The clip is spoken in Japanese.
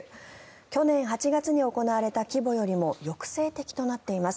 去年８月に行われた規模よりも抑制的となっています。